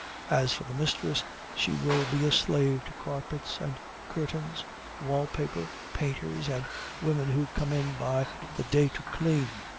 As for the mistress, she will be a slave to carpets and curtains, wall paper, painters, and women who come in by the day to clean.